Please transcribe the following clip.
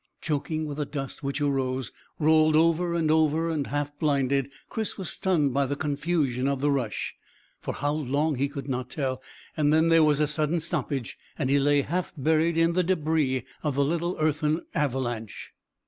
Choking with the dust which arose, rolled over and over and half blinded, Chris was stunned by the confusion of the rush, for how long he could not tell, and then there was a sudden stoppage, and he lay half buried in the debris of the little earthen avalanche.